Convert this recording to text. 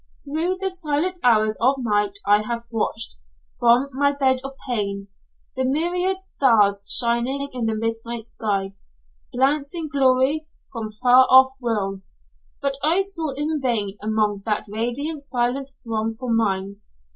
Through the silent hours of night I have watched, from my bed of pain, the myriad stars shining in the midnight sky, glancing glory from far off worlds, but I sought in vain among that radiant silent throng for mine.